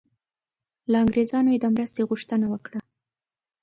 له انګریزانو یې د مرستې غوښتنه وکړه.